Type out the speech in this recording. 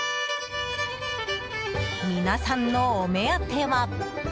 皆さんのお目当ては。